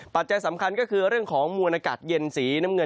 ปัจจัยสำคัญก็คือเรื่องของมวลอากาศเย็นสีน้ำเงิน